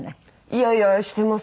いやいやしてます。